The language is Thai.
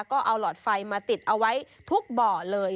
ก็เอาหลอดไฟมาติดเอาไว้ทุกบ่อเลย